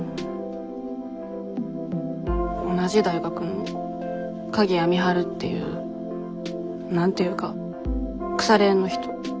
同じ大学の鍵谷美晴っていう何て言うか腐れ縁の人。